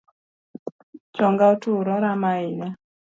Chonga otur, orama ahinya